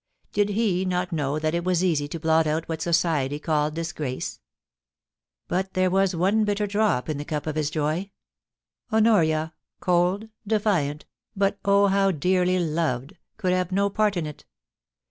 Did he not know that it was easy to blot out what Society called disgrace ? But there was one bitter drop in the cup of his joy. Honoria, cold, defiant, but oh how dearly loved, could have no part in it.